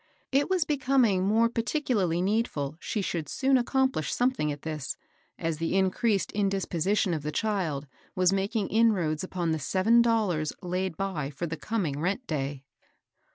It was becoming more particularly needful she should soon accom plish something at this, as the increased indisposi tion of the child was making inroads upon the seven dollars laid by for the coming rent day.